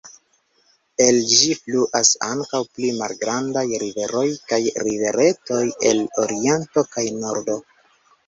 El ĝi fluas ankaŭ pli malgrandaj riveroj kaj riveretoj el oriento kaj nordo.